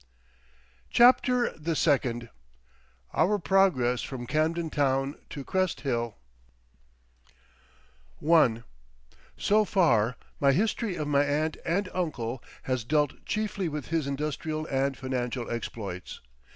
CHAPTER THE SECOND OUR PROGRESS FROM CAMDEN TOWN TO CREST HILL I So far my history of my aunt and uncle has dealt chiefly with his industrial and financial exploits.